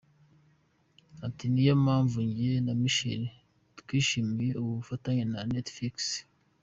Ati “Ni iyo mpamvu njye na Michelle twishimiye ubu bufatanye na Netflix.